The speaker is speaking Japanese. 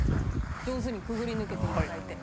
上手にくぐり抜けていただいて。